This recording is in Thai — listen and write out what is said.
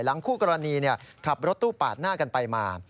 คู่กรณีขับรถตู้ปาดหน้ากันไปมา